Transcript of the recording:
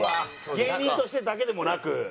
芸人としてだけでもなく。